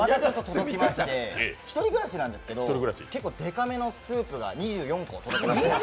１人暮らしなんですけど、結構デカ目のスープが４０個きまして。